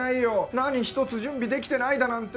何ひとつ準備できてないだなんて。